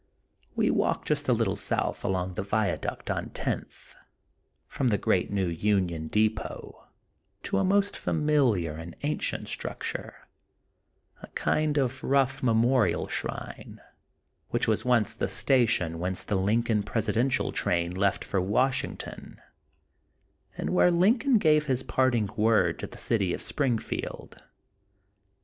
We walk just a little south along the viaduct on Tenth from the great New Union Depot to a most familiar and ancient struc ture, a kind of rough memorial shrine, which was once the station whence the Lincoln presi dential train left for Washington and where Lincoln gave his parting word to the City of Springfield.